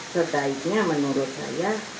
sertaiknya menurut saya